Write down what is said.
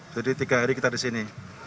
jadi tiga hari kita di sini